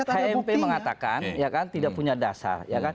hmp mengatakan tidak punya dasar